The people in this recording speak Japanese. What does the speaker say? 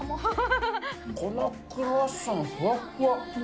このクロワッサン、ふわっふわ。